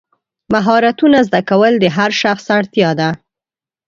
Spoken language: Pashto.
مهارتونه زده کول د هر شخص اړتیا ده.